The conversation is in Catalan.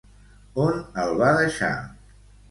On el va deixar?